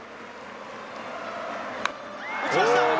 打ちました。